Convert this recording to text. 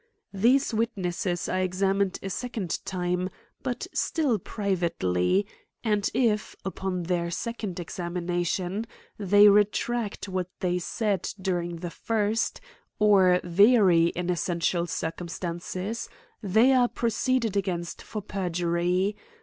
These witnesses are examined a se cond time, but still privately ; and, if, upon their .second examination, they retract what they said during the first, or vary in essential circumstan ces, they are proceeded against for perjury.